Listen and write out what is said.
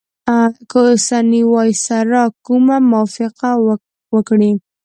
که اوسنی وایسرا کومه موافقه وکړي.